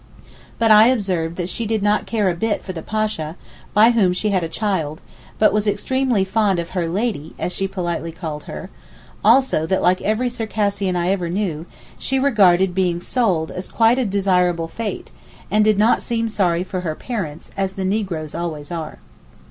But I observed that she did not care a bit for the Pasha, by whom she had a child, but was extremely fond of 'her lady,' as she politely called her, also that like every Circassian I ever knew, she regarded being sold as quite a desirable fate, and did not seem sorry for her parents, as the negroes always are.